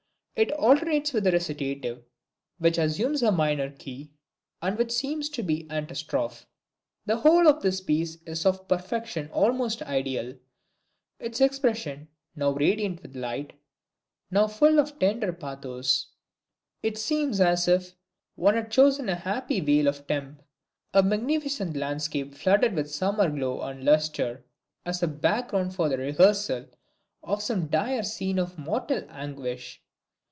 It alternates with a Recitative, which assumes a minor key, and which seems to be its Antistrophe. The whole of this piece is of a perfection almost ideal; its expression, now radiant with light, now full of tender pathos. It seems as if one had chosen a happy vale of Tempe, a magnificent landscape flooded with summer glow and lustre, as a background for the rehearsal of some dire scene of mortal anguish.